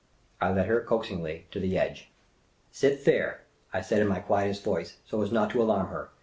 I led her, coaxingly, to the edge. " Sit there," I said, in my quietest voice, so as not to alarm her.